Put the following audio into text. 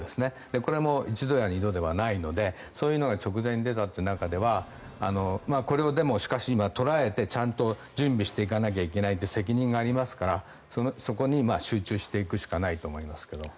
これも１度や２度ではないのでそういうのが直前に出たという中ではこれを今、捉えてちゃんと準備していかないといけない責任がありますからそこに集中していくしかないと思いますけど。